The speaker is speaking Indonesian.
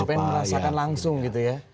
saya pengen merasakan langsung gitu ya